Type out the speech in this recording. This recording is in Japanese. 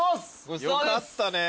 よかったね。